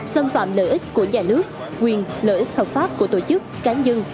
xâm phạm lợi ích của nhà nước quyền lợi ích hợp pháp của tổ chức cá nhân